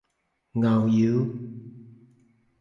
藕油